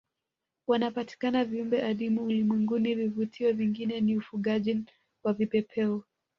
Wanapatikana viumbe adimu ulimwenguni vivutio vingine ni ufugaji wa vipepeo